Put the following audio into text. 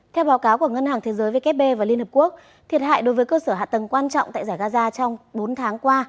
theo báo cáo của ngân hàng thế giới vkp và liên hợp quốc thiệt hại đối với cơ sở hạ tầng quan trọng tại giải gaza trong bốn tháng qua